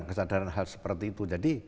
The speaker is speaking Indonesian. kesadaran hal seperti itu